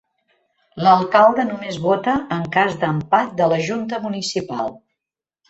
L'alcalde només vota en cas d'empat de la junta municipal.